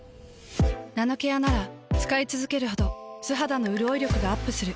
ナノケアなら使いつづけるほど素肌のうるおい力がアップする。